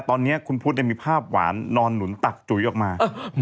ตอนนี้คุณพุทธมีภาพหวานนอนหนุนตักจุ๋ยออกมา